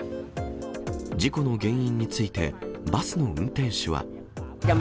事故の原因についてバスの運転手は。